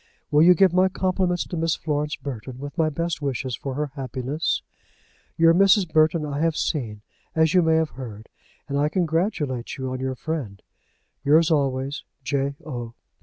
Will you give my compliments to Miss Florence Burton, with my best wishes for her happiness? Your Mrs. Burton I have seen, as you may have heard, and I congratulate you on your friend. Yours always, J. O.